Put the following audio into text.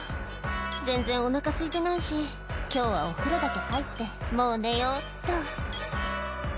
「全然おなかすいてないし今日はお風呂だけ入ってもう寝ようっと」